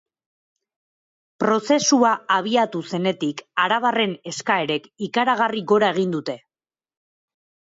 Prozesua abiatu zenetik arabarren eskaerek ikaragarri gora egin dute.